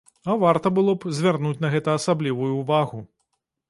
А варта было б звярнуць на гэта асаблівую ўвагу.